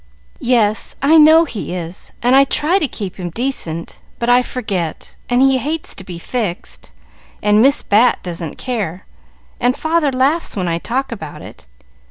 "Yes, I know he is, and I try to keep him decent, but I forget, and he hates to be fixed, and Miss Bat doesn't care, and father laughs when I talk about it."